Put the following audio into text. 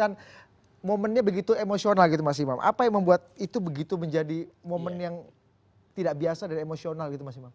tapi momennya begitu emosional gitu mas imam apa yang membuat itu begitu menjadi momen yang tidak biasa dan emosional gitu mas imam